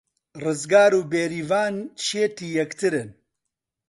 ڕزگار و بێریڤان شێتی یەکترن.